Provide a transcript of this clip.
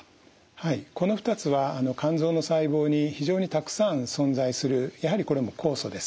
はいこの２つは肝臓の細胞に非常にたくさん存在するやはりこれも酵素です。